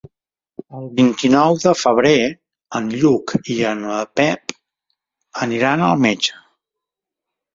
El vint-i-nou de febrer en Lluc i en Pep aniran al metge.